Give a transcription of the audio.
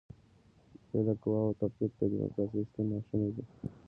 بې له قواوو تفکیک د دیموکراسۍ شتون ناشونی دی.